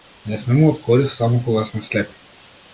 Ние сме му од корист само кога сме слепи.